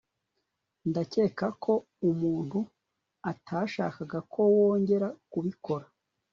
ndakeka ko umuntu atashakaga ko wongera kubikora